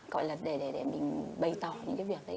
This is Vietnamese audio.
gọi là để mình bày tỏ những cái việc đấy